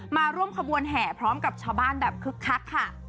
มาร่วมขบวนแห่พร้อมกับชาวบ้านแบบคึกคักค่ะ